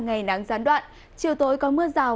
ngày nắng gián đoạn chiều tối có mưa rào